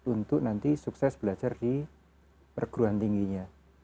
untuk nanti sukses belajar di perguruan tingginya